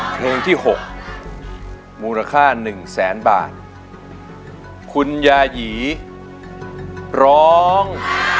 เพลงที่หกมูลค่าหนึ่งแสนบาทคุณยายีร้อง